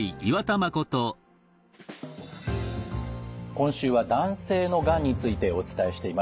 今週は男性のがんについてお伝えしています。